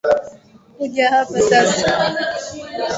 Kuja hapa sasa.